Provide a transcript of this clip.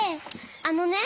あのね。